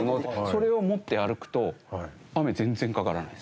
それを持って歩くと雨全然かからないです。